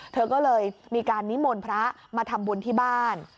เธอก็เลยมีการนิมนต์พระมาทำบุญที่บ้าน